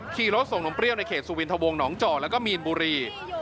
ขี่รถส่งนมเปรี้ยวในเขตสุวินทะวงหนองจอกแล้วก็มีนบุรี